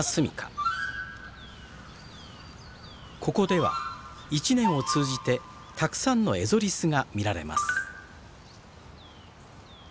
ここでは一年を通じてたくさんのエゾリスが見られます。